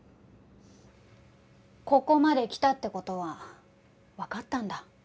ここまで来たって事はわかったんだ